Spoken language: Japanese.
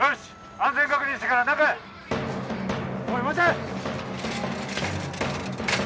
安全確認してから中へおい待て！